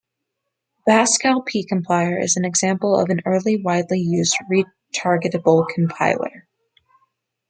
The Pascal P-compiler is an example of an early widely used retargetable compiler.